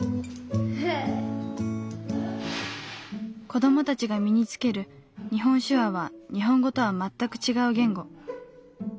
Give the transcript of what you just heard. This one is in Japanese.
子どもたちが身につける日本手話は日本語とは全く違う言語。